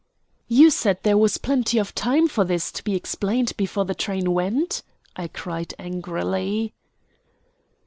"You said there was plenty of time for this to be explained before the train went," I cried angrily.